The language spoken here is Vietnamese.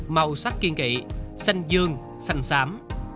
màu sắc kiên kỵ xanh dương xanh xám